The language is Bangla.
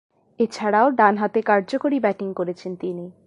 এছাড়াও, ডানহাতে কার্যকরী ব্যাটিং করেছেন তিনি।